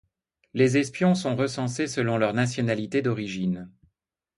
Les espions sont recensés selon leur nationalité d'origine.